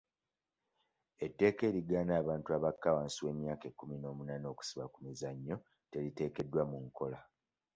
Etteeka erigaana abantu abakka wansi w'emyaka ekkumi n'omunaana okusiba ku mizannyo teriteekeddwa mu nkola.